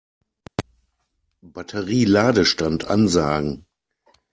Batterie-Ladestand ansagen.